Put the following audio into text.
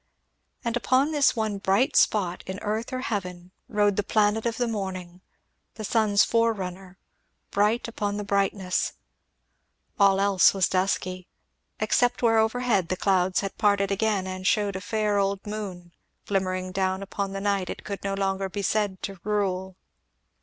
And upon this one bright spot in earth or heaven, rode the planet of the morning the sun's forerunner bright upon the brightness. All else was dusky except where overhead the clouds had parted again and shewed a faint old moon, glimmering down upon the night it could no longer be said to 'rule'."